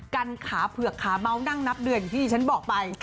กันขาเผือกขาเมานั่งนับเดือนอย่างที่ที่ฉันบอกไป